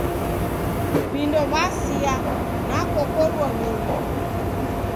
Vindo vasia nakokorua nyungu.